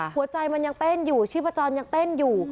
หัวใจมันยังเต้นอยู่ชีพจรยังเต้นอยู่